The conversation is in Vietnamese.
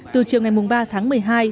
từ chiều ngày ba tháng một mươi hai